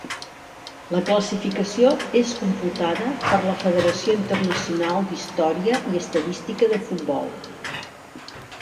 La classificació és computada per la Federació Internacional d'Història i Estadística de Futbol.